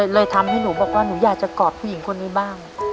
เลยทำให้หนูบอกว่าหนูอยากจะกอดผู้หญิงคนนี้บ้าง